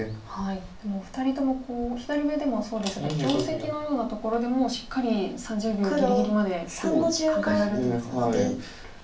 でもお二人とも左上でもそうですが定石のようなところでもしっかり３０秒ぎりぎりまで考えられてますよね。